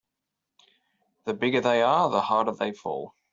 The bigger they are the harder they fall.